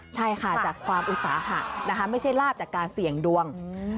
ใช่ค่ะจากความอุตสาหะนะคะไม่ใช่ลาบจากการเสี่ยงดวง